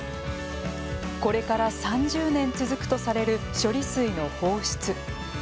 これから３０年続くとされる処理水の放出。